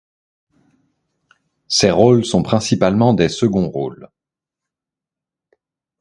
Ses rôles sont principalement des seconds rôles.